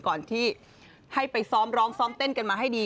ก่อนที่ไปการร้องซ้อมเต็มกันมาให้ดี